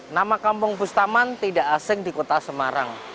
nama kampung bustaman tidak asing di kota semarang